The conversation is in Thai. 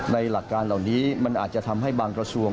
หลักการเหล่านี้มันอาจจะทำให้บางกระทรวง